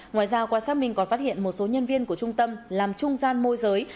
ngoài ra qua xác minh còn phát hiện một số nhân viên của trung tâm làm trung gian môi giới